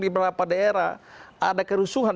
di beberapa daerah ada kerusuhan